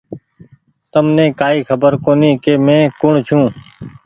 تمني ڪآئي خبر ڪوُني ڪ مينٚ ڪوٚڻ ڇوٚنٚ